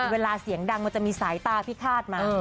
เวลาเสียงดังก็จะมีสายตาพี่คาดมั้ย